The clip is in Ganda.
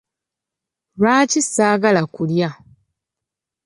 Lwaki saagala kulya?